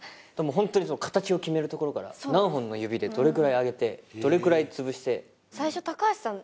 ホントに形を決めるところから何本の指でどれくらい上げてどれくらい潰して最初高橋さん